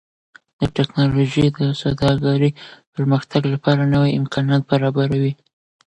ټکنالوژي د سوداګرۍ پرمختګ لپاره نوي امکانات برابروي.